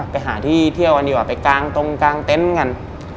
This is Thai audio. ไปหาที่เที่ยวกันดีกว่าไปกางตรงกลางเต็นต์กัน